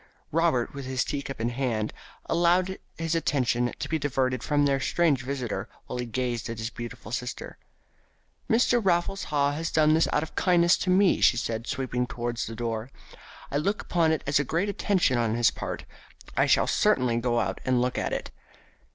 Robert, with his teacup in his hand, allowed his attention to be diverted from their strange visitor while he gazed at his beautiful sister. "Mr. Raffles Haw has done this out of kindness to me," she said, sweeping towards the door. "I look upon it as a great attention on his part. I shall certainly go out and look at it."